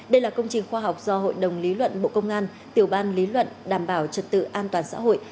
đây là công trình khoa học do hội đồng lý luận bộ công an tiểu ban lý luận đảm bảo trật tự an toàn xã hội